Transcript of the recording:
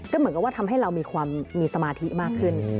ก็เหมือนกับว่าทำให้เรามีความมีสมาธิมากขึ้น